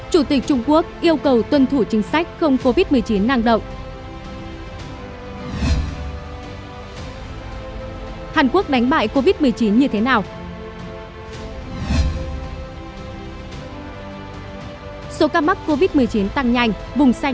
hãy đăng ký kênh để ủng hộ kênh của chúng mình nhé